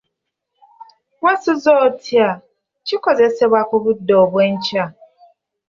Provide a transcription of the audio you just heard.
Wasuze otya? kikozesebwa ku budde obwenkya